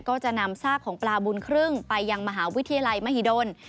ก็จะนำซากของปลาบุญครึ่งไปยังมหาวิทยาลัยมหิดล